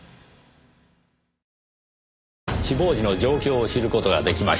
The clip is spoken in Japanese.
死亡時の状況を知る事が出来ました。